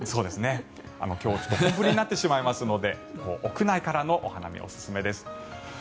今日、本降りになってしまいますので屋内からのお花見おすすめです。